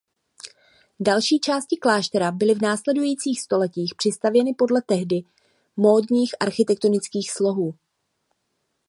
Další části kláštera byly v následujících stoletích přistavěny podle tehdy módních architektonických slohů.